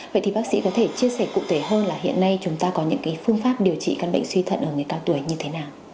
vậy thì bác sĩ có thể chia sẻ cụ thể hơn là hiện nay chúng ta có những cái phương pháp điều trị căn bệnh suy thận ở người cao tuổi như thế nào